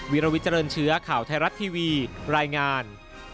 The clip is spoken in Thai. วิรวิทเจริญเชื้อข่าวไทยรัฐทีวีรายงาน